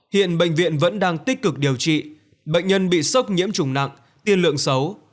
hiện bệnh viện vẫn đang tích cực điều trị bệnh nhân bị sốc nhiễm trùng nặng tiên lượng xấu